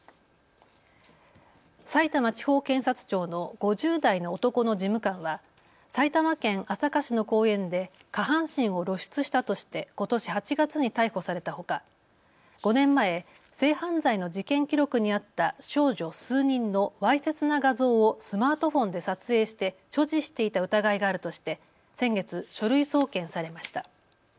さいたま地方検察庁の５０代の男の事務官は埼玉県朝霞市の公園で下半身を露出したとしてことし８月に逮捕されたほか５年前、性犯罪の事件記録にあった少女数人のわいせつな画像をスマートフォンで撮影して所持していた疑いがあるとして先月、書類送検されました。